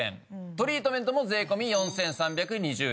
トリートメントも税込４３２０円。